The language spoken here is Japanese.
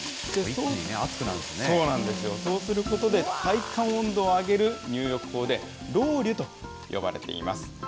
そうなんですよ、そうすることで体感温度を上げる入浴法で、ロウリュと呼ばれています。